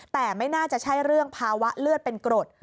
แต่ไม่น่าจะใช่เรื่องภาวะเลือดเป็นกรด